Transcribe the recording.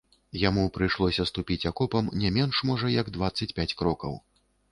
Яму прыйшлося ступіць акопам не менш, можа, як дваццаць пяць крокаў.